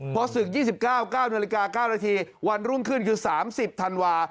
พอศึก๒๙๙นาฬิกา๙นาทีวันรุ่งขึ้นคือ๓๐ธันวา